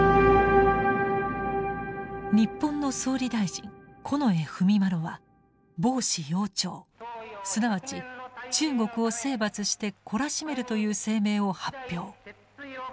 日本の総理大臣近衛文麿は暴支膺懲すなわち中国を征伐して懲らしめるという声明を発表。